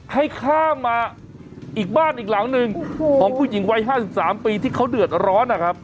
ให้ข้ามมาอีกบ้านอีกหลังหนึ่งของผู้หญิงวัย๕๓ปีที่เขาเดือดร้อนนะครับ